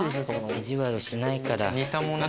意地悪しないから。